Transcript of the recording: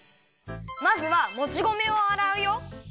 まずはもち米をあらうよ。